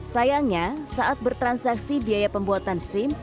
sayangnya saat bertransaksi biaya pembuatan sim